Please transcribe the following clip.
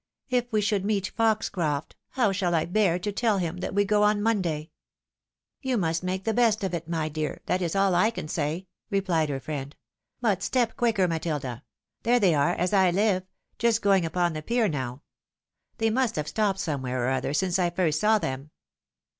if we should meet Foxcroft, how shall I bear to tell him that we go on Monday ?" "You 'must make the best of it, my dear, that is all I can say," rephed her friend. " But step quicker, Matilda ! There they are, as I hve, just going upon the pier now ! They must have stopped somewhere or other since I first saw them."